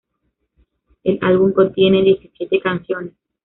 El álbum contiene diecisiete canciones.